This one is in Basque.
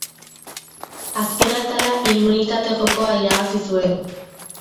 Azken atala immunitate jokoa irabazi zuen.